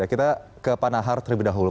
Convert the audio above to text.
kita ke pak nahar terlebih dahulu